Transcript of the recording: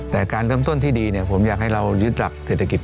แต่การเริ่มต้นที่ดีผมอยากให้เรายึดหลักเศรษฐกิจ